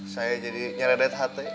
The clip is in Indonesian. saya jadi nyeredet hati